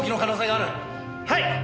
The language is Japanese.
はい！